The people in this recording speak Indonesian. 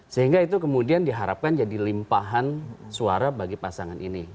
sehingga itu kemudian diharapkan jadi limpahan suara bagi pasangan ini